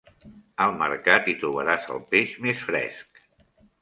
Al Mercat hi trobaràs el peix més fresc.